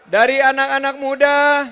dari anak anak muda